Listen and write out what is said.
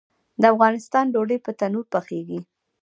د افغانستان ډوډۍ په تندور پخیږي